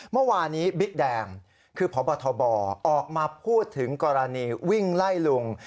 เมื่อวานี้บิ๊กแดงคือพบทบออกมาพูดถึงกรณีวิ่งไล่ลุง